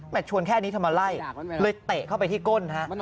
ชวนแค่นี้ทำไมไล่เลยเตะเข้าไปที่ก้นฮะ